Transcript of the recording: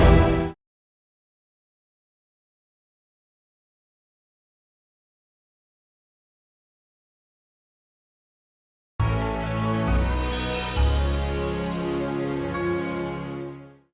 woi kah dimeng nolik selected to lima belas